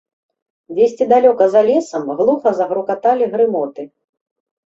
Дзесьці далёка за лесам глуха загрукаталі грымоты.